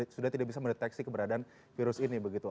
sudah tidak bisa mendeteksi keberadaan virus ini begitu